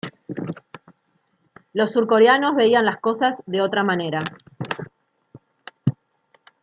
Los surcoreanos veían las cosas de otra manera.